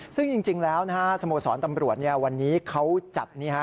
ซึ่งจริงแล้วสโมสรตำรวจวันนี้เขาจัด